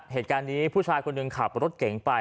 เหตุการณ์นี้ผู้ชายคนหนึ่งขับรถเก่งไป